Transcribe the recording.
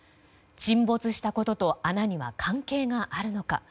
沈没したことと、穴には関係があるのか。